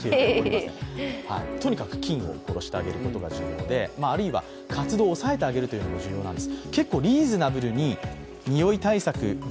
とにかく菌を殺してあげることが重要で、あるいは活動を抑えてあげることが重要なんです。